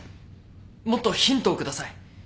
もっとヒントを下さい。